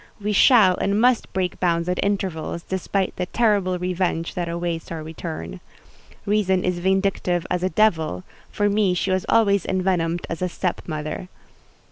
We shall and must break bounds at intervals, despite the terrible revenge that awaits our return. Reason is vindictive as a devil: for me she was always envenomed as a step mother.